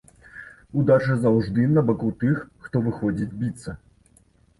Удача заўжды на баку тых, хто выходзіць біцца.